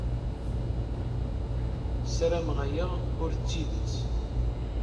Ssarameɣ aya ur d tidet.